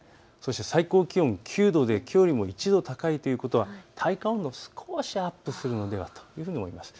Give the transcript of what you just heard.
最高気温９度で、きょうよりも１度高いということは体感温度、少しアップするのではないかということです。